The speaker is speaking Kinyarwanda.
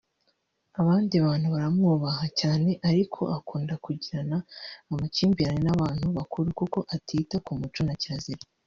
abandi bantu baramwubaha cyane ariko akunda kugirana amakimbirane n’abantu bakuru kuko atita ku muco na zakirazira